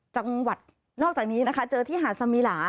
จังหวัดนอกจากนี้นะคะเจอที่หาดสมิลา